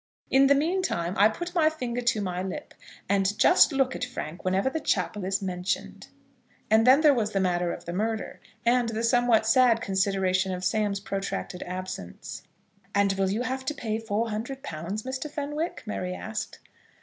In the meantime, I put my finger to my lip, and just look at Frank whenever the chapel is mentioned." And then there was the matter of the murder, and the somewhat sad consideration of Sam's protracted absence. "And will you have to pay four hundred pounds, Mr. Fenwick?" Mary asked.